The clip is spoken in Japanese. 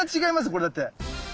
これだって。